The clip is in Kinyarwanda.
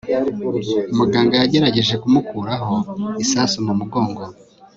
muganga yagerageje kumukuraho isasu mumugongo